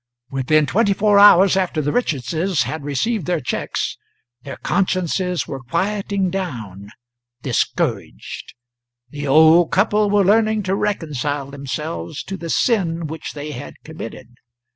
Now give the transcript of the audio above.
Within twenty four hours after the Richardses had received their cheques their consciences were quieting down, discouraged; the old couple were learning to reconcile themselves to the sin which they had committed.